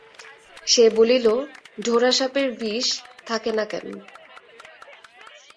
সে বলিল, ঢোড়া সাপের বিষ থাকে না কেন?